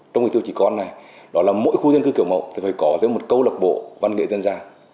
trong tiêu chỉ con này đó là mỗi khu dân cư kiểu mẫu phải có một câu lạc bộ văn nghệ dân gia